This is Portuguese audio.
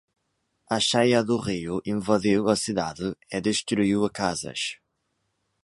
A cheia do rio invadiu a cidade e destruiu casas